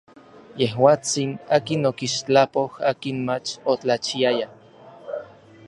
Yejuatsin, akin okixtlapoj akin mach otlachiaya.